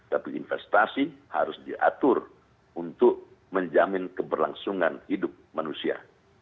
tapi investasi harus diatur untuk menjamin keberlangsungan hidup manusia